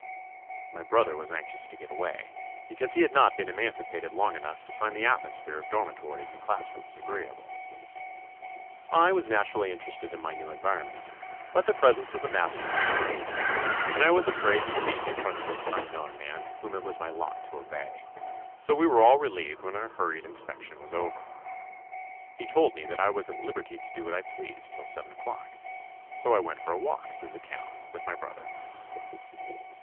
My brother was anxious to get away, because he had not been emancipated long enough to find the atmosphere of dormitories and class rooms agreeable. I was naturally interested in my new environment, but the presence of the master constrained me, and I was afraid to speak in front of this unknown man whom it was my lot to obey, so we were all relieved when our hurried inspection was over. He told me that I was at liberty to do what I pleased till seven o'clock, so I went for a walk through the town with my brother.